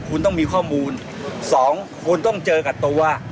คุณต้องมีข้อมูล๒คุณต้องเจอกับตัว